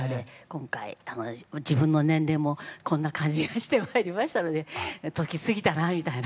今回自分の年齢もこんな感じがしてまいりましたので「時過ぎたな」みたいな。